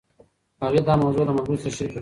هغې دا موضوع له ملګرې سره شريکه کړه.